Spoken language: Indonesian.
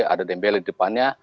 ada dembele di depannya